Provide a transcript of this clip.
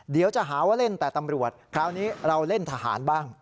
เดี๋ยวจะหาว่าเล่นแต่ตำรวจคราวนี้เราเล่นทหารบ้าง